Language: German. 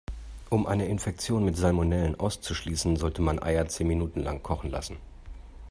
Um eine Infektion mit Salmonellen auszuschließen, sollte man Eier zehn Minuten lang kochen lassen.